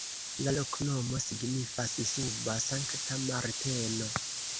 La loknomo signifas: suba-Sankta Marteno.